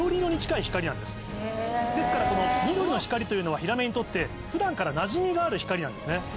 ですから緑の光というのはヒラメにとって普段からなじみがある光なんですね。